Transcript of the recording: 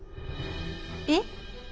えっ？